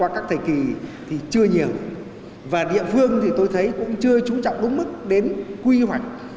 qua các thời kỳ thì chưa nhiều và địa phương thì tôi thấy cũng chưa trú trọng đúng mức đến quy hoạch